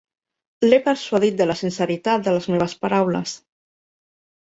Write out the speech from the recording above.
L'he persuadit de la sinceritat de les meves paraules.